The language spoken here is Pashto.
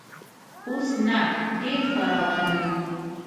اوس نه، ډېر ښه روان یو.